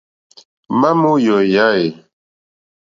Mamɛ̀ o yɔ̀eyà e?